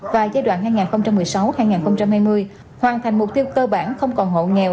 và giai đoạn hai nghìn một mươi sáu hai nghìn hai mươi hoàn thành mục tiêu cơ bản không còn hộ nghèo